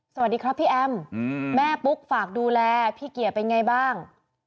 สวัสดีครับพี่แอมแม่ปุ๊กฝากดูแลพี่เกียร์เป็นไงบ้าง